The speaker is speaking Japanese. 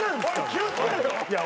気を付けろよ。